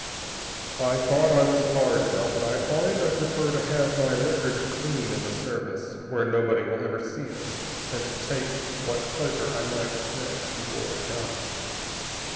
"I thought I was hard, Bell, but I find I prefer to have my record clean in the Service where nobody will ever see it than to take what pleasure I might snatch before I die.